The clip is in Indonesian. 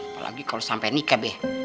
apalagi kalau sampai nikah ya